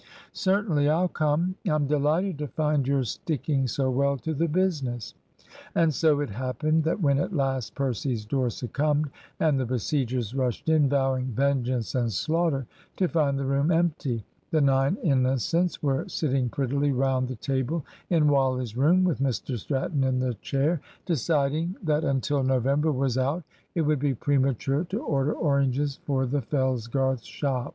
"Certainly; I'll come. I'm delighted to find you're sticking so well to the business." And so it happened that when at last Percy's door succumbed, and the besiegers rushed in, vowing vengeance and slaughter, to find the room empty, the nine innocents were sitting prettily round the table in Wally's room with Mr Stratton in the chair, deciding that until November was out it would be premature to order oranges for the Fellsgarth shop.